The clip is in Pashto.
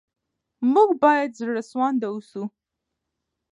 موږ باید زړه سوانده اوسو.